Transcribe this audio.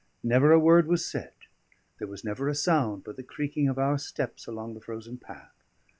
Never a word was said; there was never a sound but the creaking of our steps along the frozen path.